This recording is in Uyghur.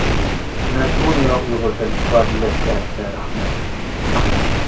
مەزمۇن ۋە ئۇيغۇر تىل ئىپادىلەش جەھەتتە رەھمەت!